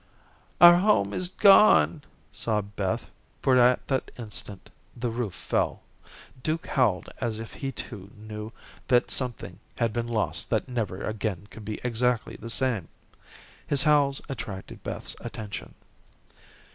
"Our home is gone," sobbed Beth, for at that instant the roof fell. Duke howled as if he, too, knew that something had been lost that never again could be exactly the same. His howls attracted Beth's attention.